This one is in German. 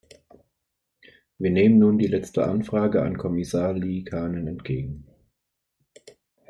Wir nehmen nun die letzte Anfrage an Kommissar Liikanen entgegen.